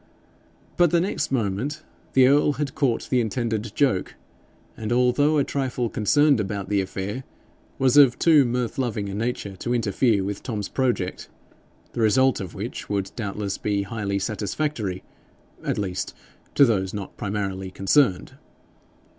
But the next moment the earl had caught the intended joke, and although a trifle concerned about the affair, was of too mirth loving a nature to interfere with Tom's project, the result of which would doubtless be highly satisfactory at least to those not primarily concerned.